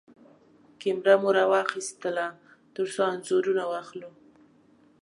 کېمره مو راواخيستله ترڅو انځورونه واخلو.